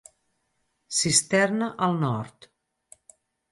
Cisterna al nord.